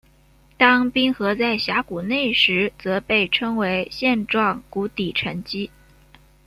当冰河在峡谷内时则被称为线状谷底沉积。